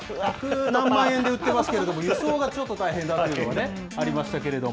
何十万円で売ってますけど、輸送がちょっと大変だというのはね、ありましたけれども。